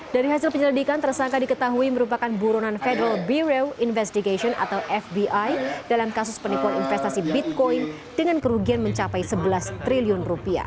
dari hasil penyelidikan tersangka diketahui merupakan buronan federal bereo investigation atau fbi dalam kasus penipuan investasi bitcoin dengan kerugian mencapai rp sebelas triliun